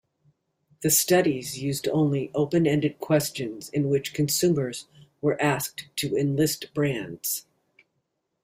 The studies used only open-ended questions in which consumers were asked to enlist brands.